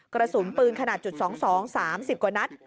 กระสุนปืนขนาดจุด๒๒๓๐กว่านัด